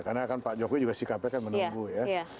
karena kan pak jokowi juga sikapnya kan menunggu ya